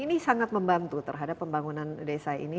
ini sangat membantu terhadap pembangunan desa ini